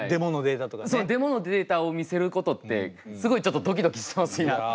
デモのデータを見せることってすごいちょっとドキドキしてます